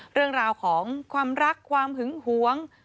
เรื่องราวของความรักความหึงหวง